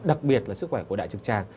đặc biệt là sức khỏe của đại trực tràng